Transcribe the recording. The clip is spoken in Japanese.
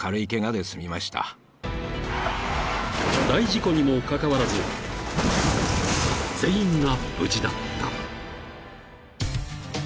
［大事故にもかかわらず全員が無事だった］